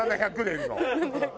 ７００年。